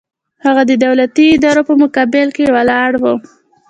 هغه د دولتي ادارو په مقابل کې ولاړ و.